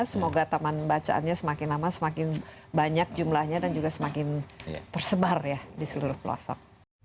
semoga taman bacaannya semakin lama semakin banyak jumlahnya dan juga semakin tersebar ya di seluruh pelosok